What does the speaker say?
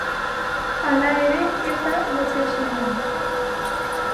Halere, ez da loteslea.